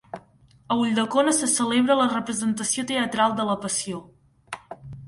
A Ulldecona se celebra la representació teatral de La Passió.